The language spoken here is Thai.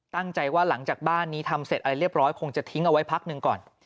ตั้งใจว่าหลังจากบ้านนี้ทำเสร็จอะไรเรียบร้อยคงจะทิ้งเอาไว้พักหนึ่งก่อน